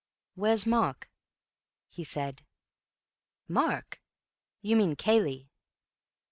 "Where's Mark?" he said. "Mark? You mean Cayley."